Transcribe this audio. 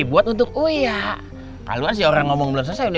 bapak jangan bicara sama